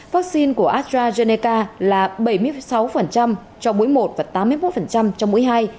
vắc xin của astrazeneca là bảy mươi sáu trong mũi một và tám mươi một trong mũi hai